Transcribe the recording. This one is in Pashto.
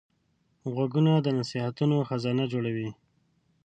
غوږونه د نصیحتو خزانه جوړوي